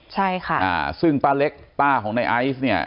ใช่ค่ะอ่าซึ่งป้าเล็กป้าของในไอซ์เนี่ย